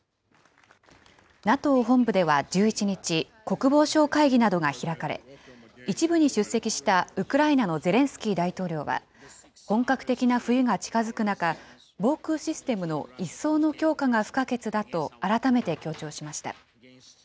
ＮＡＴＯ本部では１１日、国防相会議などが開かれ、一部に出席したウクライナのゼレンスキー大統領は、本格的な冬が近づく中、防空システムの一層の強化が不可欠だと改めて強調しました。